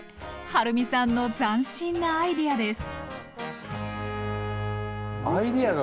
はるみさんの斬新なアイデアです。